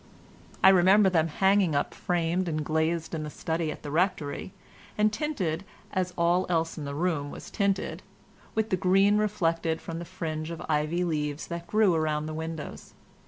I remember them as hanging up framed and glazed in the study at the Rectory, and tinted, as all else in the room was tinted, with the green reflected from the fringe of ivy leaves that grew around the windows.